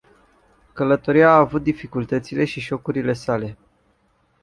Călătoria a avut dificultățile și șocurile sale.